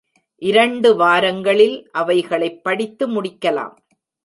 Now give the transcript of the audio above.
இரண்டு வாரங்களில் அவைகளைப் படித்து முடிக்கலாம்.